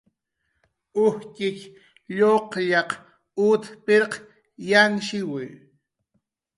Ujtxitx lluqllaq ut pirq yanhshiwi